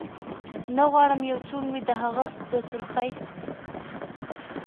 نه غواړم یو څوک مې د هغه د سرخۍ